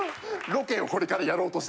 ロケをこれからやろうとしてた。